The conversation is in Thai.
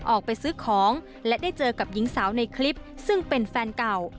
ออกไปซื้อของและได้เจอกับหญิงสาวในคลิปซึ่งเป็นแฟนเก่า